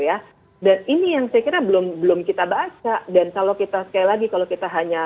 ya dan ini yang saya kira belum belum kita baca dan kalau kita sekali lagi kalau kita hanya